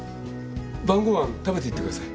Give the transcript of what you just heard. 晩ご飯食べていってください。